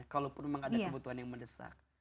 kalaupun memang ada kebutuhan yang mendesak